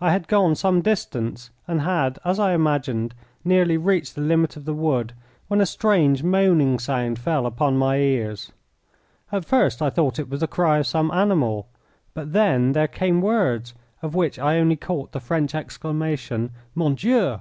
I had gone some distance, and had, as I imagined, nearly reached the limit of the wood, when a strange, moaning sound fell upon my ears. At first I thought it was the cry of some animal, but then there came words, of which I only caught the French exclamation, "Mon Dieu!"